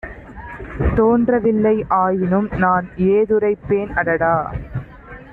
தோன்றவில்லை; ஆயினும்நான் ஏதுரைப்பேன் அடடா!